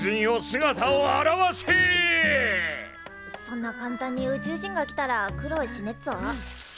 そんな簡単に宇宙人が来たら苦労しねっぞ。